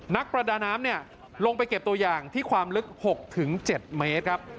นักประดาน้ำลงไปเก็บตัวอย่างที่ความลึก๖๗เมตรครับ